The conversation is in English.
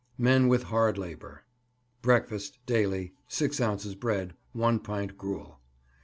MEN WITH HARD LABOUR. Breakfast Daily 6 ounces bread, 1 pint gruel.